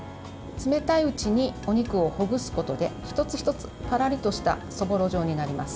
冷たいうちにお肉をほぐすことで１つ１つぱらりとしたそぼろ状になります。